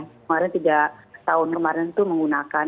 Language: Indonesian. kemarin tiga tahun kemarin itu menggunakan